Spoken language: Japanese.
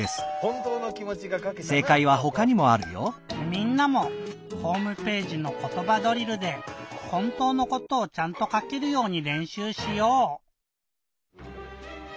みんなもホームページの「ことばドリル」でほんとうのことをちゃんとかけるようにれんしゅうしよう！